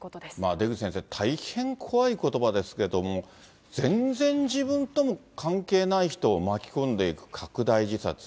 出口先生、大変怖いことばですけれども、全然、自分とも関係ない人を巻き込んでいく拡大自殺。